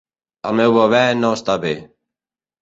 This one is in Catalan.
El meu bebè no està bé.